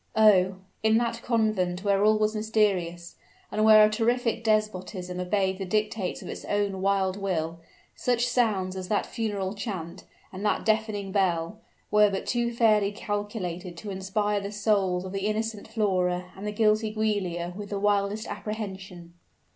Oh! in that convent where all was mysterious, and where a terrific despotism obeyed the dictates of its own wild will, such sounds as that funeral chant, and that deafening bell, were but too fairly calculated to inspire the souls of the innocent Flora and the guilty Giulia with the wildest apprehension!